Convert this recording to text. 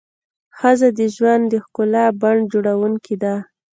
ښځه د ژوند د ښکلا بڼ جوړونکې ده.